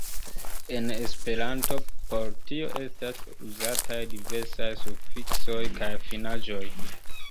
En Esperanto por tio estas uzataj diversaj sufiksoj kaj finaĵoj.